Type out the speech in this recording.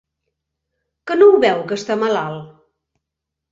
¿Què no ho veu, que està malalt?